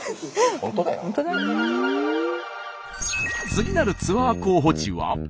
次なるツアー候補地は？